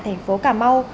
thành phố cà mau